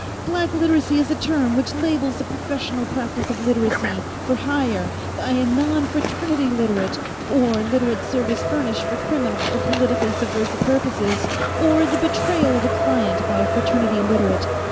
"Black Literacy is a term which labels the professional practice of Literacy, for hire, by a non Fraternity Literate, or Literate service furnished for criminal or politically subversive purposes, or the betrayal of a client by a Fraternity Literate.